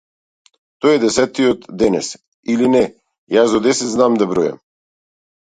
Тој е десетиот денес, или не, јас до десет знам да бројам.